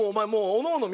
おのおの。